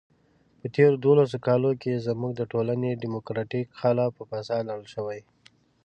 په تېرو دولسو کالو کې زموږ د ټولنې دیموکراتیک قالب په فساد لړل شوی.